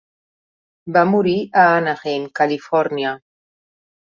Va morir a Anaheim, Califòrnia.